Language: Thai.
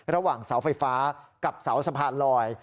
ระหว่างเสาไฟฟ้ากับเสาสะพานลอย